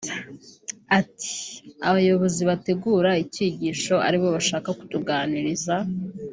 Ati “Abayobozi bategura ikigisho aribo bashaka kutuganiriza